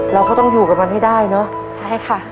เราก็ต้องอยู่กับมันให้ได้เนอะใช่ค่ะ